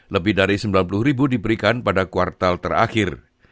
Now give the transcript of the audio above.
lebih dari sembilan puluh ribu diberikan pada kuartal terakhir